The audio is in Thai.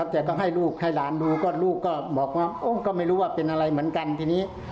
แต่ก็ให้ลูกให้หลานดูก็ลูกก็บอกว่าก็ไม่รู้ว่าเป็นอะไรเหมือนกันทีนี้